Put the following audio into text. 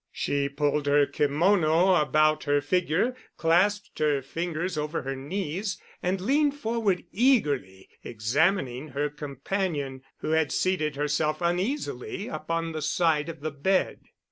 She pulled her kimono about her figure, clasped her fingers over her knees, and leaned forward, eagerly examining her companion, who had seated herself uneasily upon the side of the bed.